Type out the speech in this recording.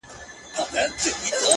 ما خو څو واره ازمويلى كنه،